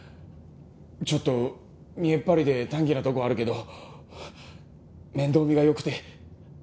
ちょっと見えっ張りで短気なとこあるけど面倒見がよくて。